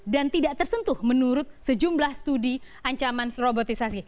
dan tidak tersentuh menurut sejumlah studi ancaman robotisasi